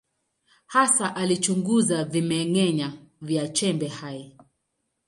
Hasa alichunguza vimeng’enya vya chembe hai.